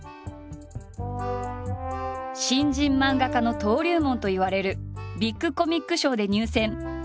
新人漫画家の登竜門といわれるビッグコミック賞で入選。